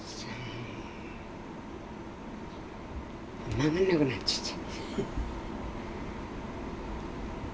曲がんなくなっちゃった。